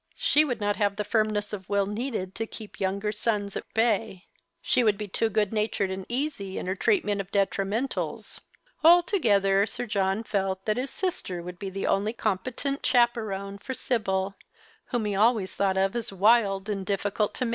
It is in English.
She would not have the firmness of will needed to keep younger sons at bay ; she would be too good natured and easy in her treatment of detrimentals : altogether Sir John felt that his sister would be the only competent chaperon for Sibyl, whom he always thought of as wild and difficult to The Christmas Hieelings.